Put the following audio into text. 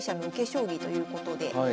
将棋ということで。